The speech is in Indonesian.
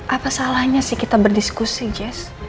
apa salahnya sih kita berdiskusi jazz